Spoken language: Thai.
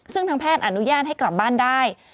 ซึ่งทางแพทย์อนุญาตให้กลับบ้านได้